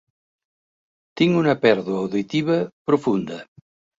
Tinc una pèrdua auditiva profunda.